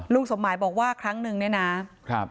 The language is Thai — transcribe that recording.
ลุงสมหมายบอกว่าครั้งนึงนะ